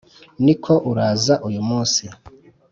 Niko uraza uyumunsi